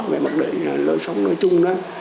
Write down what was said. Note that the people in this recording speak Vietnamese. về lối sống nói chung đó